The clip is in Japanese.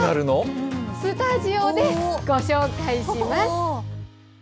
スタジオでご紹介します。